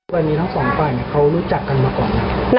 วันนี้ทั้ง๒ปากนี้เขารู้จักกันมาก่อนนะ